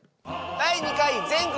第２回全国